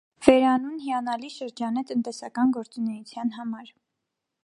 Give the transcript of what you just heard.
Վերանուն հիանալի շրջան է տնտեսական գործունեության համար։